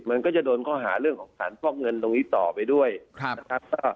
มันก็จะโดนข้อหาเรื่องของฐานฟอกเงินตรงนี้ต่อไปด้วยนะครับ